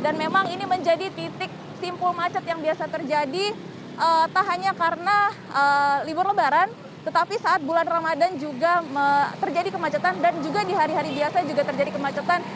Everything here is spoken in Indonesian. dan memang ini menjadi titik simpul macet yang biasa terjadi tak hanya karena libur lebaran tetapi saat bulan ramadan juga terjadi kemacetan dan juga di hari hari biasa juga terjadi kemacetan